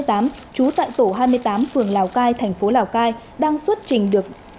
trú tại tổ hai mươi tám phường lào cai thành phố lào cai đang xuất trình được